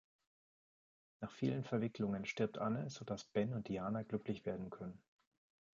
Nach vielen Verwicklungen stirbt Anne, so dass Ben und Diana glücklich werden können.